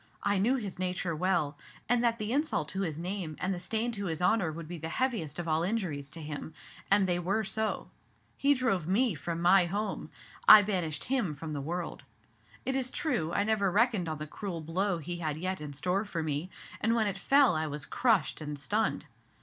I knew his nature well, and that the insult to his name and the stain to his honor would be the heaviest of all injuries to him; and they were so. He drove me from my home, I banished him from the world. It is true, I never reckoned on the cruel blow he had yet in store for me, and when it fell I was crushed and stunned.